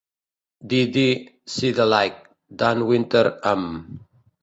Dee Dee "See The Light", Dan Winter amb